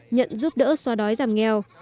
nhận giúp đỡ xóa đói giảm nghèo